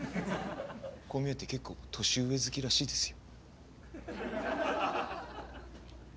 こう見えて結構年上好きらしいですよ。